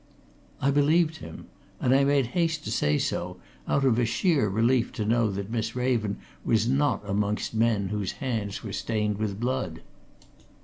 I believed him. And I made haste to say so out of a sheer relief to know that Miss Raven was not amongst men whose hands were stained with blood.